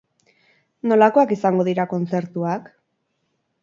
Nolakoak izango dira kontzertuak?